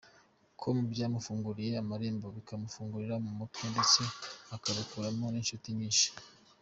com ko byamufunguriye amarembo, bikamufungura mu mutwe ndetse akabikuramo n’inshuti nyinshi.